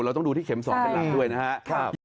เราต้องดูที่เข็ม๒เป็นหลักด้วยนะครับ